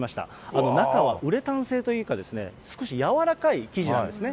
この中はウレタン製というか、少し軟らかい生地なんですね。